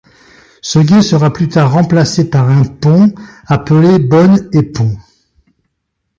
Ce gué sera plus tard remplacé par un pont appelé Bonne-Hépont.